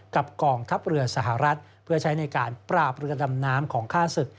กองทัพเรือสหรัฐเพื่อใช้ในการปราบเรือดำน้ำของฆ่าศึก